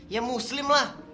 ya muslim lah